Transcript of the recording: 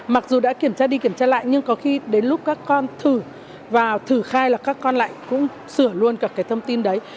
mặc dù đã kiểm tra đi kiểm tra lại nhưng có khi đến lúc các con thử và thử khai là các con lại cũng sửa luôn cả cái thông tin đấy